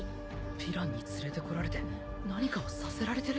ヴィランに連れて来られて何かをさせられてる？